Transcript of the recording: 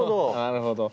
なるほど。